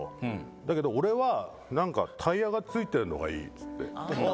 だけど、俺は、タイヤがついてるのがいいっつって。